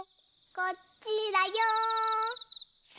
・こっちだよ。・せの。